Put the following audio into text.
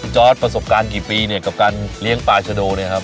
อดประสบการณ์กี่ปีเนี่ยกับการเลี้ยงปลาชะโดเนี่ยครับ